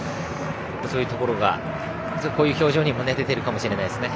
そういうところがこういう表情にも出てるかもしれないですね。